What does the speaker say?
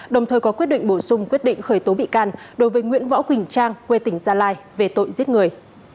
đồng thời có quyết định bổ sung quyết định khởi tố bị can đối với nguyễn võ quỳnh trang quê tỉnh gia lai về tội giết người